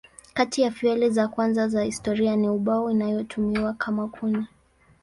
Kati ya fueli za kwanza za historia ni ubao inayotumiwa kama kuni.